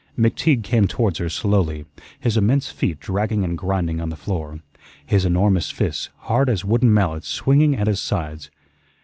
McTeague came towards her slowly, his immense feet dragging and grinding on the floor; his enormous fists, hard as wooden mallets, swinging at his sides.